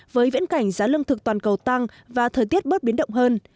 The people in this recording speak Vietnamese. với viễn cảnh giá lương thực toàn cầu tăng và thời tiết bớt biến động hơn